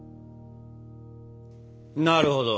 なるほど。